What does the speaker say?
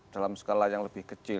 dalam skala yang lebih kecil